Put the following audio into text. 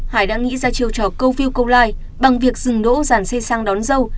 hải đã nghĩ ra chiều trò câu view câu like bằng việc dừng đỗ dàn xe sang đón dâu